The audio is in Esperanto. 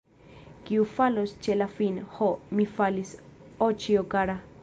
Kiu falos ĉe la fin, Ho, mi falis, oĉjo kara!